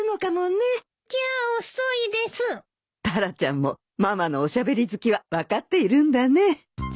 タラちゃんもママのおしゃべり好きは分かっているんだね